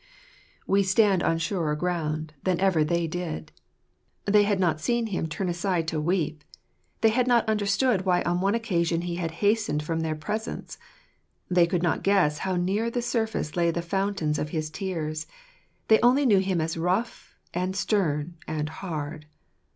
We stand on surer ground than ever they did. They had no idea of the gentleness of Joseph's heart; they had not seen him turn aside to weep ; they had not understood why on one occasion he had hastened from their presence ; they could not guess how near the surface lay the fountains of his tears. They only knew him as rough, and stern, and hard.